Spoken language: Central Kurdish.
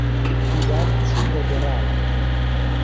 بیلال چوو دهگەراوه